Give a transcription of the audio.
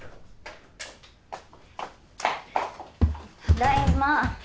ただいま。